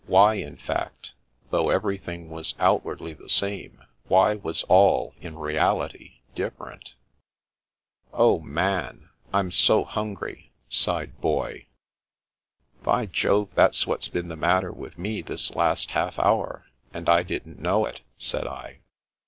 Why, in fact, though everything was outwardly the same, why was all in reality different ?" Oh, Man, I'm so hungry !" sighed Boy. The Path of the Moon 167 "By Jove, that's what's been the matter with me this last half hour, and I didn't know it!" said I.